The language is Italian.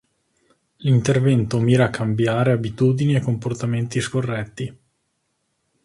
L'intervento mira a cambiare abitudini e comportamenti scorretti.